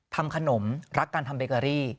ทำขนมรักการทำเบเกอรี่